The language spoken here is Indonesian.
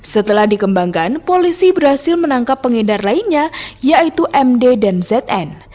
setelah dikembangkan polisi berhasil menangkap pengedar lainnya yaitu md dan zn